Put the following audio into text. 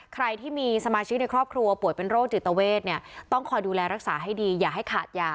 ใครที่มีสมาชิกในครอบครัวป่วยเป็นโรคจิตเวทเนี่ยต้องคอยดูแลรักษาให้ดีอย่าให้ขาดยา